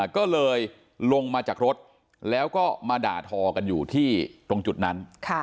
ก็เลยลงมาจากรถแล้วก็มาด่าทอกันอยู่ที่ตรงจุดนั้น